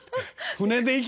船で。